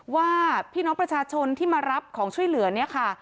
ว่าพี่น้องประชาชนที่มารับของช่วยเหลือเนี่ยค่ะ